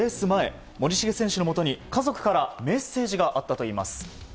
前森重選手のもとに、家族からメッセージがあったといいます。